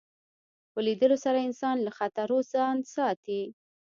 په لیدلو سره انسان له خطرو ځان ساتي